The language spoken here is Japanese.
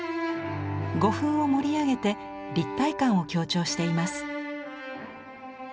胡粉を盛り上げて立体感を強調しています。